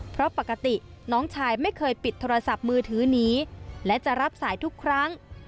เพราะปกติน้องชายไม่เคยปิดโทรศัพท์มือถือหนีและจะรับสายทุกครั้ง